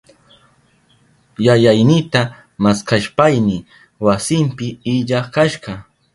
Yayaynita maskashpayni wasinpi illa kashka.